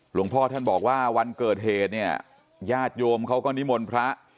หลวงพ่อท่านบอกว่าวันเกิดเหตุเนี่ยญาติโยมเขาก็นิมนต์พระ